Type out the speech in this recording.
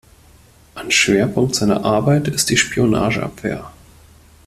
Ein Schwerpunkt seiner Arbeit ist die Spionageabwehr.